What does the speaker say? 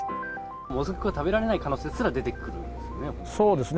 もずくが食べられない可能性すら出てくるんですね。